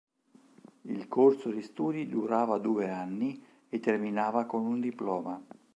Il corso di studi durava due anni e terminava con un diploma.